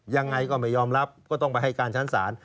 ยังไงก็ไม่ยอมรับก็ต้องไปให้การชั้นศาล